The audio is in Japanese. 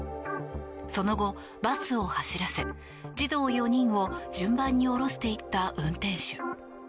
その後、バスを走らせ児童４人を順番に降ろしていった運転手。